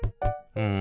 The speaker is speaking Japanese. うん。